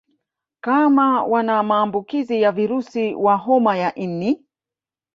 kama wana maambukizi ya virusi wa homa ya ini